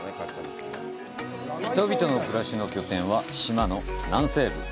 人々の暮らしの拠点は島の南西部。